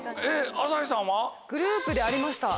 グループでありました。